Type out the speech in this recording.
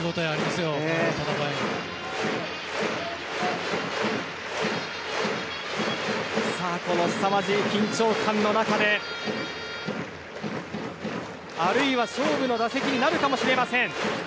すさまじい緊張感の中であるいは勝負の打席になるかもしれません。